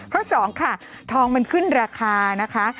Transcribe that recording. สองค่ะทองมันขึ้นราคานะคะ